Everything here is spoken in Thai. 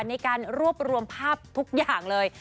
ในการรวบรวมภาพทุกอย่างเลย